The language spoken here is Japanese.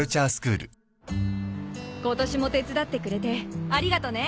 今年も手伝ってくれてありがとね。